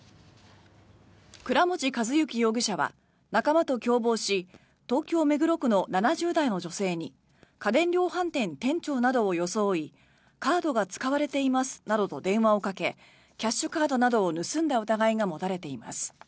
倉持一幸容疑者は仲間と共謀し東京・目黒区の７０代の女性に家電量販店店長などを装いカードが使われていますなどと電話をかけキャッシュカードなどを盗んだ疑いが持たれています。